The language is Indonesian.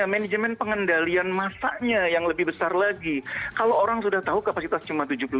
manajemen pengendalian masanya yang lebih besar lagi kalau orang sudah tahu kapasitas cuma tujuh puluh dua